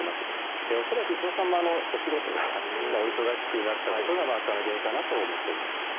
恐らく伊藤さんもお仕事がお忙しくなったことが悪化の原因かなと思っております。